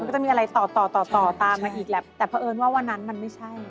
มันก็จะมีอะไรต่อตามมาอีกแหละแต่เพราะเอิญว่าวันนั้นมันไม่ใช่